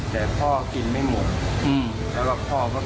แล้วตอนนี้นายพ่อเป็นอย่างไรครับ